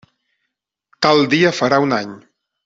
Tal dia farà un any.